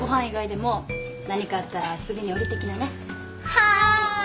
はい。